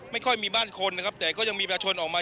ไม่ค่อยมีบ้านคนนะครับแต่ก็ยังมีประชาชนออกมา